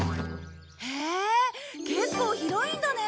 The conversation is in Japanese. へえ結構広いんだね！